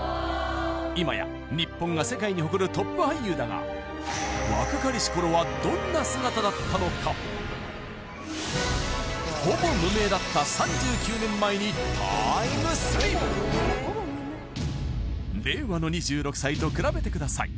今や日本が世界に誇るトップ俳優だがどんな姿だったのかほぼ無名だった３９年前にタイムスリップ令和の２６歳と比べてください